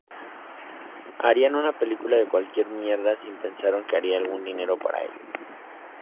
Harían una película de cualquier mierda si pensaron que haría algún dinero para ellos.